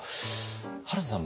原田さん